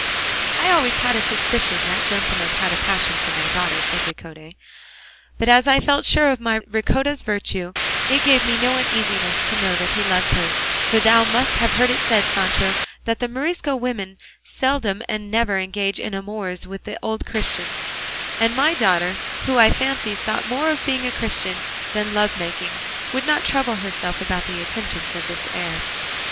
"I always had a suspicion that gentleman had a passion for my daughter," said Ricote; "but as I felt sure of my Ricota's virtue it gave me no uneasiness to know that he loved her; for thou must have heard it said, Sancho, that the Morisco women seldom or never engage in amours with the old Christians; and my daughter, who I fancy thought more of being a Christian than of lovemaking, would not trouble herself about the attentions of this heir."